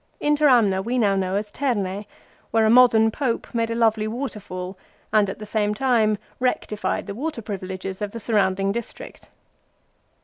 Interamna we now know as Terne, where a modern Pope made a lovely waterfall, and at the same time rectified the water privileges of the surrounding district.